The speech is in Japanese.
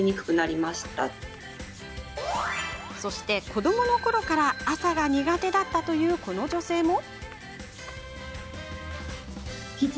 子どものころから朝が苦手だったという女性も。